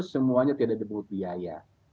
semuanya tidak dibutuhkan biaya